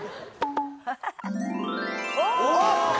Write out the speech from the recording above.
お！